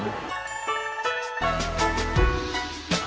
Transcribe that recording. ครับผม